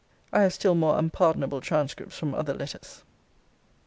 I have still more unpardonable transcripts from other letters.